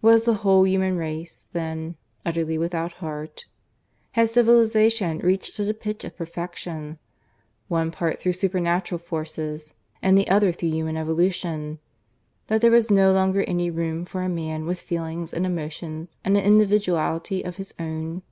Was the whole human race, then, utterly without heart? Had civilization reached such a pitch of perfection one part through supernatural forces, and the other through human evolution that there was no longer any room for a man with feelings and emotions and an individuality of his own?